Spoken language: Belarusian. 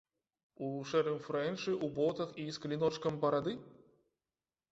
У шэрым фрэнчы, у ботах і з кліночкам барады?